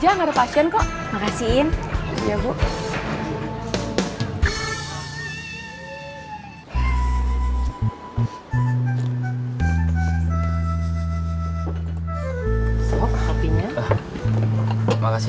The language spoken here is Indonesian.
ingatlah estaba sambil menari